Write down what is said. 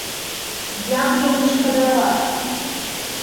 Як жа не шкадаваць?